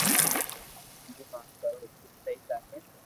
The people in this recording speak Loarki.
ايم ا ڪرو جيم سھي لاگي